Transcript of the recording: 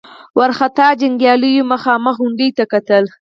وارخطا جنګياليو مخامخ غونډيو ته کتل.